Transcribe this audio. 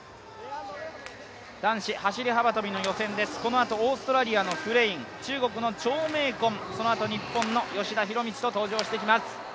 男子走幅跳の予選です、このあとオーストラリアのフレイン中国の張溟鯤、そのあと日本の吉田弘道と登場してきます。